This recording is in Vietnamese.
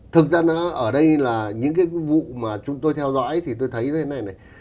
thực ra ở đây là những cái vụ mà chúng tôi theo dõi thì tôi thấy thế này này